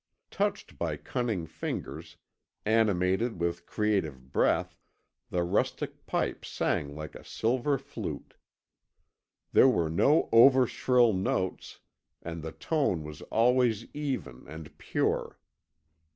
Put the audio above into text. Touched by cunning fingers, animated with creative breath, the rustic pipe sang like a silver flute. There were no over shrill notes and the tone was always even and pure.